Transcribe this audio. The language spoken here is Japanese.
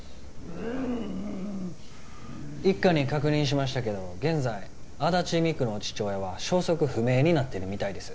うう一課に確認しましたけど現在安達未来の父親は消息不明になってるみたいです